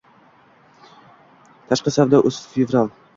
tashqi_savdo_uz_fevral